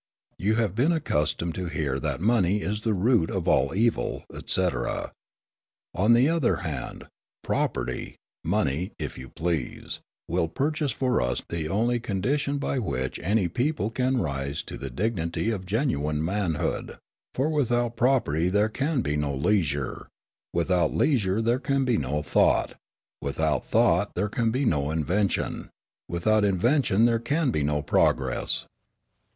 You have been accustomed to hear that money is the root of all evil, etc. On the other hand, property money, if you please will purchase for us the only condition by which any people can rise to the dignity of genuine manhood; for without property there can be no leisure, without leisure there can be no thought, without thought there can be no invention, without invention there can be no progress."